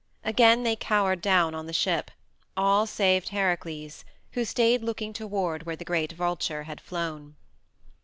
Again they cowered down on the ship, all save Heracles, who stayed looking toward where the great vulture had flown.